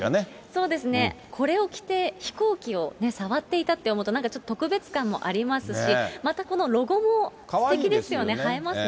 そうですね、これを着て飛行機を触っていたって思うと、なんかちょっと、特別感もありますし、かわいいですよね。